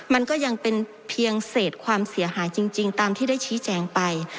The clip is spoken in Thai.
มันก็ยังเป็นเพียงเศษความเสียหายจริงตามที่ได้ชี้แจงไป